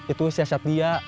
itu siasat dia